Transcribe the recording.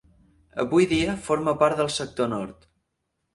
Avui dia forma part del sector nord.